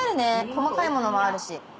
細かい物もあるし。